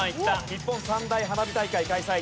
日本三大花火大会開催。